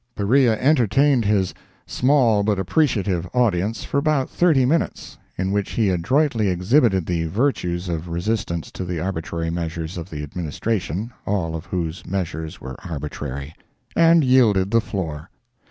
Beriah entertained his "small but appreciative" audience for about thirty minutes, in which he adroitly exhibited the virtues of resistance to the arbitrary measures of the Administration, all of whose measures were arbitrary; and yielded the floor.